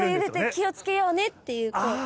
気を付けようねっていうこう。